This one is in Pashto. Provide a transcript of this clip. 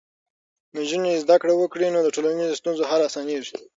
نجونې زده کړه وکړي، نو د ټولنیزو ستونزو حل اسانېږي.